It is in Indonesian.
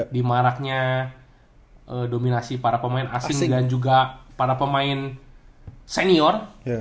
di maraknya dominasi para pemain asing dan juga para pemain senior